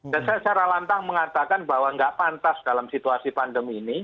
dan saya secara lantang mengatakan bahwa nggak pantas dalam situasi pandemi ini